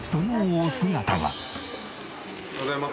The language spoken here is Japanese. おはようございます。